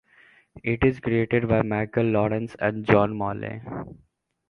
It is created by Michael Lawrence and John Molloy.